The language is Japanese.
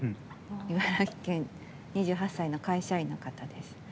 茨城県２８歳の会社員の方です。